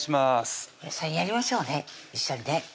皆さんやりましょうね一緒にね